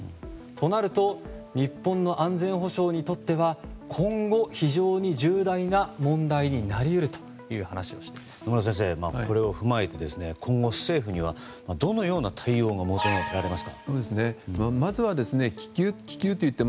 となると日本の安全保障にとっては今後、非常に重大な問題になりうるという野村先生、これを踏まえて今後、政府にはどのような対応が求められますか？